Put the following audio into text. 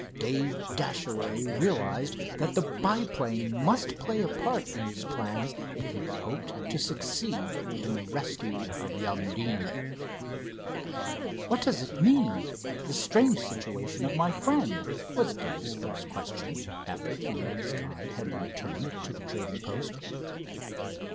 Dave Dashaway realized that the biplane must play a part in his plans if he hoped to succeed in the rescue of young Deane. "What does it mean—the strange situation of my friend?" was Dave's first question, after he and his guide had returned to the trading post.